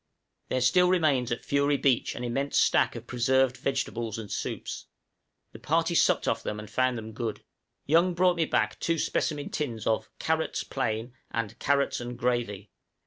There still remains at Fury Beach an immense stack of preserved vegetables and soups; the party supped off them and found them good. Young brought me back two specimen tins of "carrots plain" and "carrots and gravy."